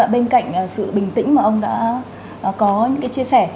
bên cạnh sự bình tĩnh mà ông đã có những cái chia sẻ